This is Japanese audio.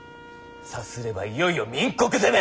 さすればいよいよ明国攻め！